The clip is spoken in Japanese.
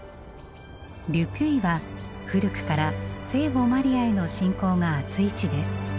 ル・ピュイは古くから聖母マリアへの信仰があつい地です。